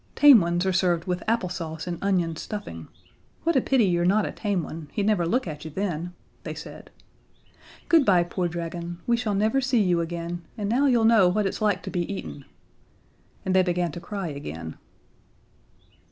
Tame ones are served with apple sauce and onion stuffing. What a pity you're not a tame one: He'd never look at you then," they said. "Good bye, poor dragon, we shall never see you again, and now you'll know what it's like to be eaten." And they began to cry again.